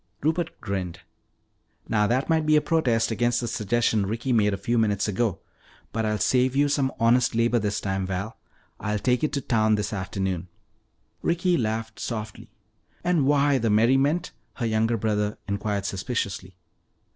Rupert grinned. "Now that might be a protest against the suggestion Ricky made a few minutes ago. But I'll save you some honest labor this time, Val; I'll take it to town this afternoon." Ricky laughed softly. "And why the merriment?" her younger brother inquired suspiciously.